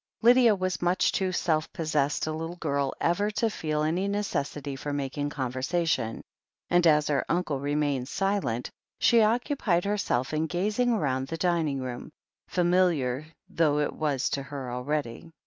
Lydia was much too self possessed a little girl ever to feel any necessity for making conversation, and as her tmcle remained silent, she occupied herself in gazing round the dining room, familiar though it was to her already.